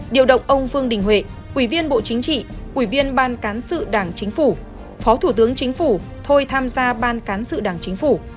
điều động ông vương đình huệ ủy viên bộ chính trị ủy viên ban cán sự đảng chính phủ phó thủ tướng chính phủ thôi tham gia ban cán sự đảng chính phủ